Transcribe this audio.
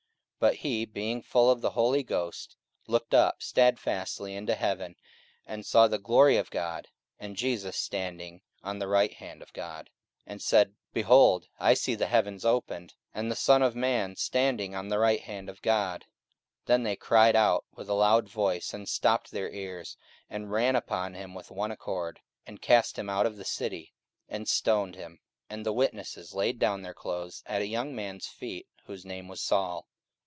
44:007:055 But he, being full of the Holy Ghost, looked up stedfastly into heaven, and saw the glory of God, and Jesus standing on the right hand of God, 44:007:056 And said, Behold, I see the heavens opened, and the Son of man standing on the right hand of God. 44:007:057 Then they cried out with a loud voice, and stopped their ears, and ran upon him with one accord, 44:007:058 And cast him out of the city, and stoned him: and the witnesses laid down their clothes at a young man's feet, whose name was Saul.